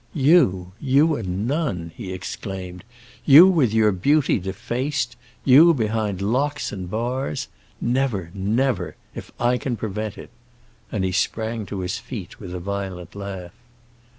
"You—you a nun!" he exclaimed; "you with your beauty defaced—you behind locks and bars! Never, never, if I can prevent it!" And he sprang to his feet with a violent laugh.